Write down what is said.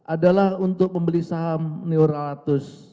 adalah untuk membeli saham neuratus